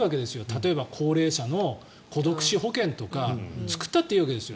例えば、高齢者の孤独死保険とか作ったっていいわけですよ。